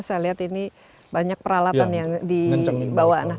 saya lihat ini banyak peralatan yang dibawa